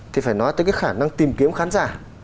thì phải nói tới cái khả năng tìm kiếm khán giả